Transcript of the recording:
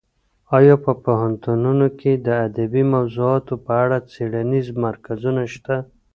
ایا په پوهنتونونو کې د ادبي موضوعاتو په اړه څېړنیز مرکزونه شته؟